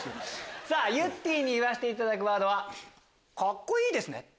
ゆってぃに言っていただくワード「カッコいいですね」。